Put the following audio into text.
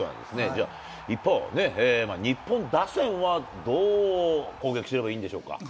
じゃあ、一方ね、日本打線はどう攻撃すればいいんでしょうか。